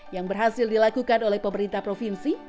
yang berhasil dilakukan oleh pemerintah provinsi